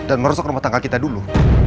dan merusak rumah tangga kita dulu